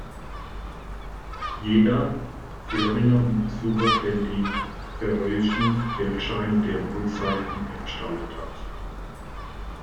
Jeder Färinger und Besucher kennt die färöischen Geldscheine, deren Rückseiten er gestaltet hat.